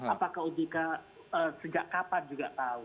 apakah ojk sejak kapan juga tahu